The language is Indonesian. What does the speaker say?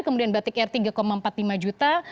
kemudian batik air tiga empat puluh lima juta